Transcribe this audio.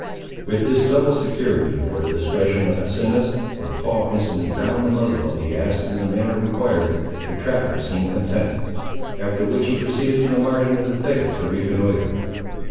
With this double security for the discretion of Asinus, for Paul instantly bound the muzzle of the ass in the manner required, the trapper seemed content. After which he proceeded to the margin of the thicket to reconnoitre.